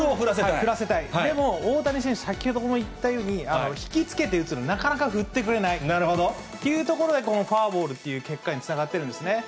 でも大谷選手、先ほども言ったように、引きつけて打つのでなかなか振ってくれないというところで、このフォアボールという結果につながってるんですね。